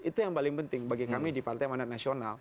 itu yang paling penting bagi kami di partai manat nasional